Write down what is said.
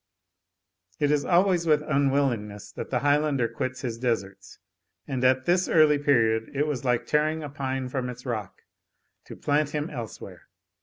It is always with unwillingness that the Highlander quits his deserts, and at this early period it was like tearing a pine from its rock, to plant him elsewhere.